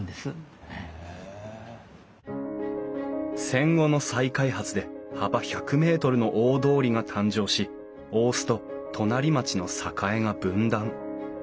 戦後の再開発で幅１００ｍの大通りが誕生し大須と隣町の栄が分断。